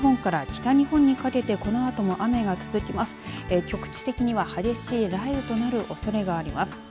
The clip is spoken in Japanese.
局地的には激しい雷雨となるおそれがあります。